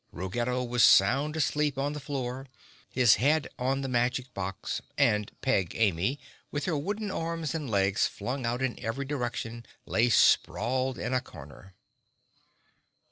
Ruggedo was sound asleep on the floor, his head on the magic box, and Peg Amy, with her wooden arms and legs flung out in every direction, lay sprawled in a corner.